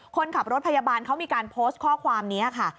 คนขับรถพยาบาลเขามีการโพสต์ข้อความนี้ค่ะ